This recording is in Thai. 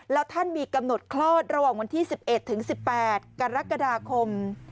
แล้วท่านมีกำหนดคลอดระหว่างวันที่๑๑ถึง๑๘กรกฎาคม